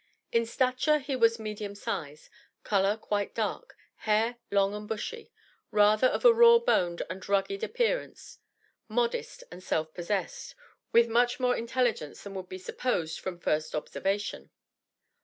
In stature he was medium size, color quite dark, hair long and bushy rather of a raw boned and rugged appearance, modest and self possessed; with much more intelligence than would be supposed from first observation.